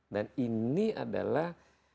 dan ini adalah